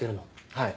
はい。